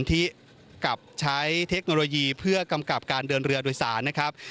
ที่กลับใช้เทคโนโลยีเพื่อกำกับการเดินเรือโดยสารนะครับ